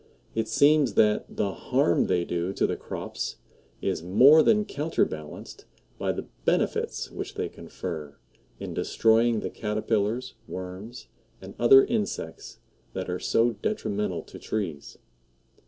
It seems that the harm they do to the crops is more than counterbalanced by the benefits which they confer in destroying the Caterpillars, Worms, and other insects that are so detrimental to trees.